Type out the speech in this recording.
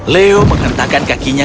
leo menghentakkan kakinya